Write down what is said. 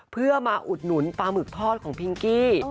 เพื่อมาอุดหนุนปลาหมึกทอดของพิงกี้